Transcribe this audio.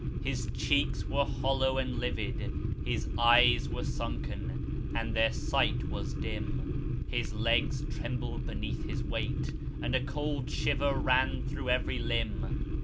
His cheeks were hollow and livid ; his eyes were sunken, and their sight was dim. His legs trembled beneath his weight, and a cold shiver ran through every limb.